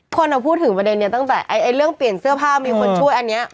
คนพูดถึงประเด็นนี้ตั้งแต่เรื่องเปลี่ยนเสื้อผ้ามีคนช่วยอันนี้